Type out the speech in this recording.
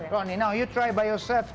ronny sekarang kamu coba tomat sendiri